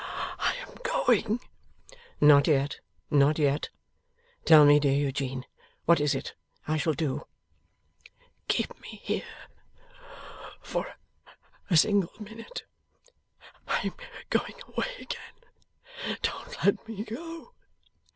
I am going!' 'Not yet, not yet. Tell me, dear Eugene, what is it I shall do?' 'Keep me here for only a single minute. I am going away again. Don't let me go.